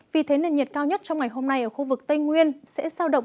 vì thế nền nhiệt cao nhất trong ngày hôm nay ở khu vực tây nguyên sẽ sao động